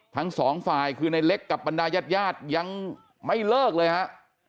ทั้งสองฝ่ายคือในเล็กกับบรรดายาดยังไม่เลิกเลยฮะ